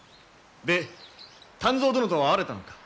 で湛増殿とは会われたのか？